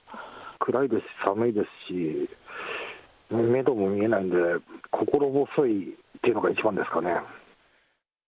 暗いですし寒いですし、メドも見えないんで、心細いっていうのが一番ですかね。